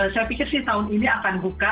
saya pikir sih tahun ini akan buka